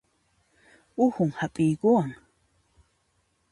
Uhun hap'iruwan